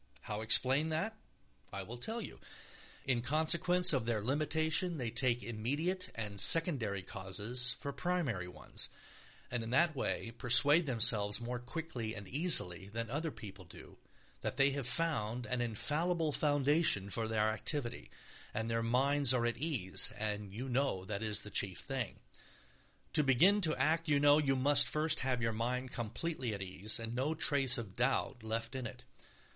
How explain that? I will tell you: in consequence of their limitation they take immediate and secondary causes for primary ones, and in that way persuade themselves more quickly and easily than other people do that they have found an infallible foundation for their activity, and their minds are at ease and you know that is the chief thing. To begin to act, you know, you must first have your mind completely at ease and no trace of doubt left in it.